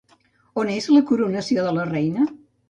On és la coronació de la reina?